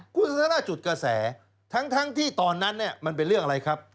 คุณชนะจุดกระแสทั้งที่ตอนนั้นเนี่ยมันเป็นเรื่องอะไรครับ